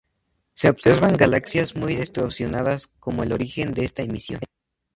Se observan galaxias muy distorsionadas como el origen de esta emisión.